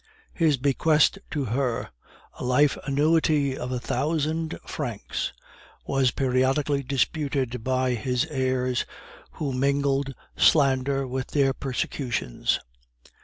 His bequest to her, a life annuity of a thousand francs, was periodically disputed by his heirs, who mingled slander with their persecutions.